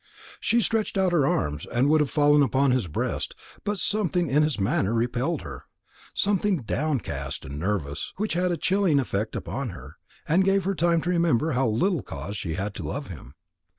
She stretched out her arms, and would have fallen upon his breast; but something in his manner repelled her, something downcast and nervous, which had a chilling effect upon her, and gave her time to remember how little cause she had to love him.